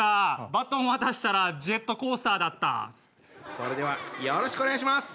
それではよろしくお願いします！